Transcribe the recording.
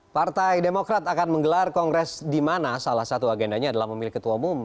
partai demokrat akan menggelar kongres di mana salah satu agendanya adalah memilih ketua umum